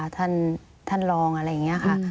ท่านรองอะไรอย่างนี้ค่ะ